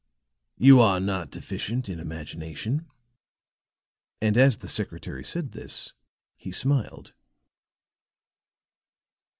"You are not deficient in imagination." And as the secretary said this he smiled.